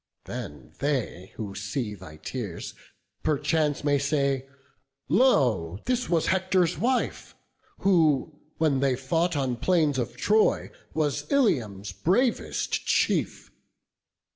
Then they who see thy tears perchance may say, 'Lo! this was Hector's wife, who, when they fought On plains of Troy, was Ilium's bravest chief.